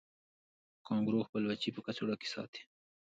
کانګارو خپل بچی په کڅوړه کې ساتي